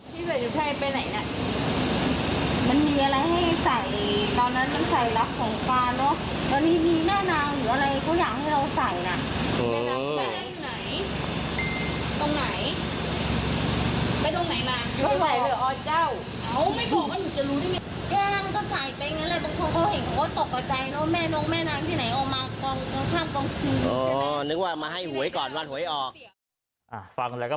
พี่เว่ยุไทยไปไหนน่ะมันมีอะไรให้ใส่ตอนนั้นมันใส่รักของฟ้าเนอะ